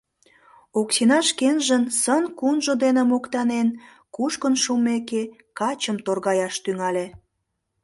Оксина шкенжын сын-кунжо дене моктанен, кушкын шумеке, качым торгаяш тӱҥале.